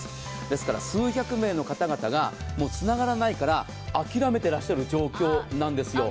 ですから、数百名の方々がもうつながらないから諦めてらっしゃる状況なんですよ。